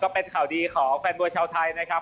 เป็นข่าวดีของแฟนมวยชาวไทยนะครับ